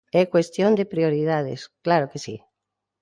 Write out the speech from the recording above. É cuestión de prioridades, ¡claro que si!